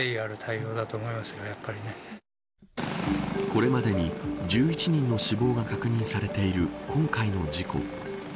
これまでに１１人の死亡が確認されている今回の事故。